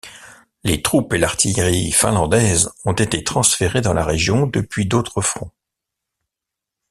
Les troupes et l'artillerie finlandaises ont été transférées dans la région depuis d'autres fronts.